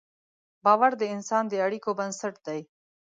باور د انسان د اړیکو بنسټ دی.